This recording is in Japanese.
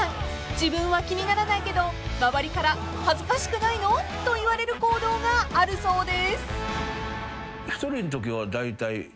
自分は気にならないけど周りから恥ずかしくないの？と言われる行動があるそうです］